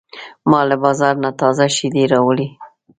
ما له بازار نه تازه شیدې راوړې.